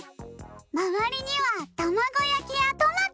まわりにはたまごやきやトマト！